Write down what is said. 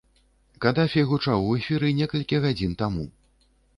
Кадафі гучаў у эфіры некалькі гадзін таму.